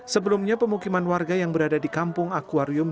sebelumnya pemukiman warga yang berada di kampung akwarium